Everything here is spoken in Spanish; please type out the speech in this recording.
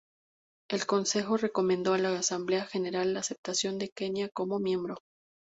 El Consejo recomendó a la Asamblea General la aceptación de Kenia como miembro.